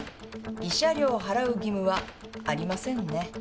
慰謝料を払う義務はありませんね。